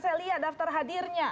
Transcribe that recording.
saya lihat daftar hadirnya